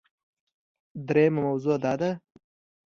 دریمه موضوع دا ده